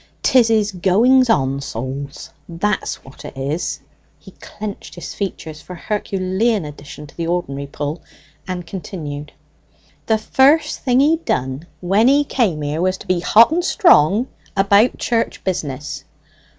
"'Tis his goings on, souls, that's what it is." He clenched his features for an Herculean addition to the ordinary pull, and continued, "The first thing he done when he came here was to be hot and strong about church business."